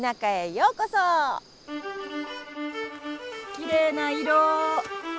きれいな色！